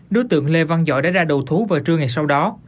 đối tượng lê văn giỏi đã ra đầu thú vào trưa ngày sau đó